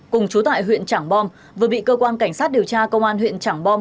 cùng chú tại huyện trảng bom vừa bị cơ quan cảnh sát điều tra công an huyện trảng bom